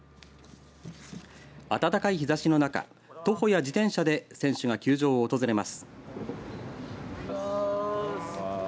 暖かい日ざしの中徒歩や自転車で選手が球場を訪れます。